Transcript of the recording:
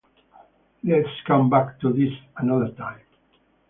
Let's come back to this another time.